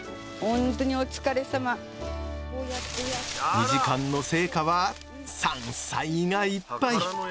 ２時間の成果は山菜がいっぱい！